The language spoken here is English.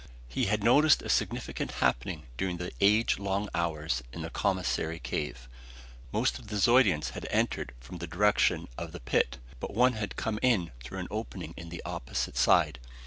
He had noticed a significant happening during the age long hours in the commissary cave. Most of the Zeudians had entered from the direction of the pit. But one had come in through an opening in the opposite side.